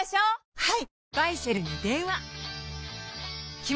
はい。